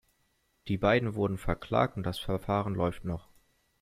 Die beiden wurden verklagt und das Verfahren läuft noch.